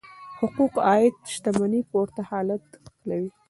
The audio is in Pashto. حقوق عاید شتمنۍ پورته حالت خپلوي.